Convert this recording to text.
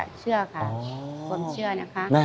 ความเชื่อนะคะ